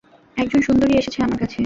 একজন সুন্দরী এসেছে আমার কাছে?